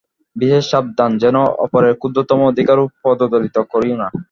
বিশেষ সাবধান, যেন অপরের ক্ষুদ্রতম অধিকারও পদদলিত করিও না।